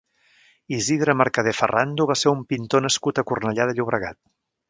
Isidre Mercadé Ferrando va ser un pintor nascut a Cornellà de Llobregat.